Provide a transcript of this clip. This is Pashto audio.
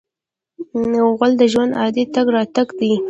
غول د ژوند عادي تګ راتګ دی.